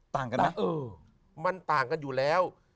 ต่างกันไหมมันต่างกันอยู่แล้ว